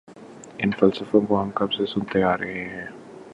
ان فلسفیوں کو کب سے ہم سنتے آ رہے ہیں۔